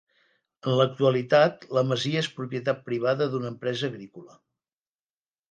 En l'actualitat la masia és propietat privada d'una empresa agrícola.